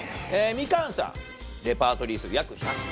みかんさんレパートリー数約１００個。